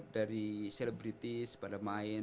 dari selebritis pada main